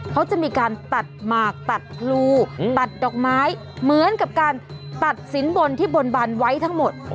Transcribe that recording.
เขาจะมีการตัดหมากตัดพลูตัดดอกไม้เหมือนกับการตัดสินบนที่บนบันไว้ทั้งหมด